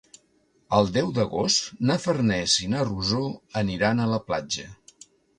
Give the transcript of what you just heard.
El deu d'agost na Farners i na Rosó aniran a la platja.